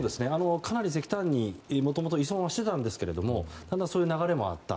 かなり石炭に、もともと依存はしてたんですけどもだんだんそういう流れもあった。